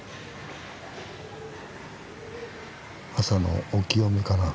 朝のお清めかな。